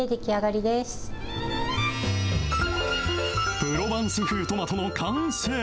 プロバンス風トマトの完成。